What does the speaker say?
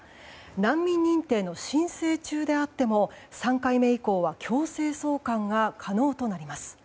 難民認定の申請中であっても３回目以降は強制送還が可能となります。